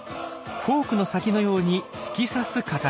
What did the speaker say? フォークの先のように突き刺す形。